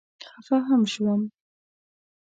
خفه هم شوم.